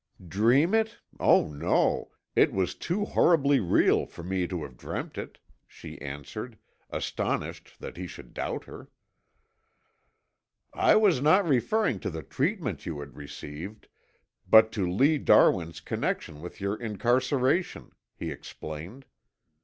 "Dream it? Oh, no, it was too horribly real for me to have dreamt it," she answered, astonished that he should doubt her. "I was not referring to the treatment you had received, but to Lee Darwin's connection with your incarceration," he explained.